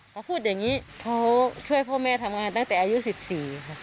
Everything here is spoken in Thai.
เขาพูดอย่างนี้เขาช่วยพ่อแม่ทำงานตั้งแต่อายุ๑๔ค่ะ